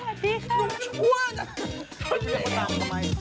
หนุ่มช่วง